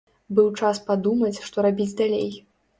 Быў час падумаць, што рабіць далей.